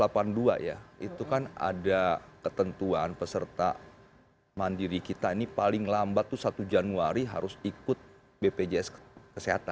dan sebenarnya di prpes delapan puluh dua ya itu kan ada ketentuan peserta mandiri kita ini paling lambat tuh satu januari harus ikut bpjs kesehatan